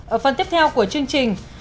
ở phần tiếp theo của chương trình